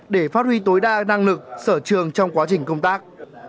để phát huy tối đa năng lực sở trường trong quá trình công tác